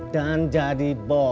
dan jadi bos